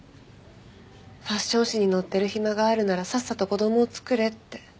ファッション誌に載ってる暇があるならさっさと子供を作れって。